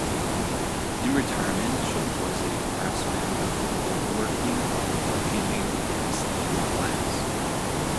In retirement, Shipp was a craftsman of wookworking, painting, and stained glass.